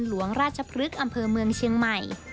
หลวงราชพฤกษ์อำเภอเมืองเชียงใหม่